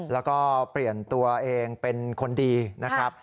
แล้วก็เปลี่ยนตัวเองเป็นคนดีนะครับ